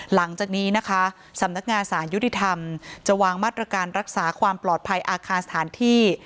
หลังจากนี้นะคะสำนักงานสารยุติธรรมจะวางมาตรการรักษาความปลอดภัยอาคารสถานที่